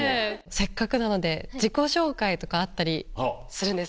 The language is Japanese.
せっかくなので自己紹介とかあったりするんですか？